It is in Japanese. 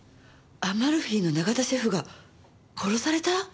アマルフィの永田シェフが殺された！？